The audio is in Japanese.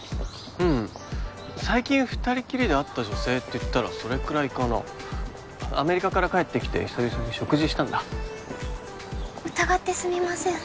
うん最近二人きりで会った女性っていったらそれくらいかなアメリカから帰ってきて久々に食事したんだ疑ってすみません